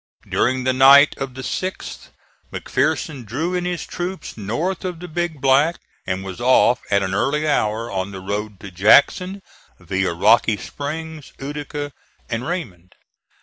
During the night of the 6th McPherson drew in his troops north of the Big Black and was off at an early hour on the road to Jackson, via Rocky Springs, Utica and Raymond.